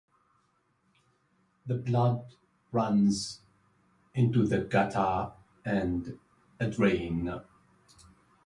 The blood runs into the gutter and a drain.